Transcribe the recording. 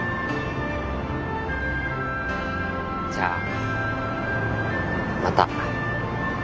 じゃあまた。